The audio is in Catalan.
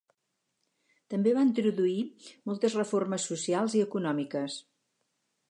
També va introduir moltes reformes socials i econòmiques.